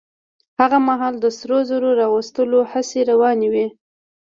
هغه مهال د سرو زرو را ايستلو هڅې روانې وې.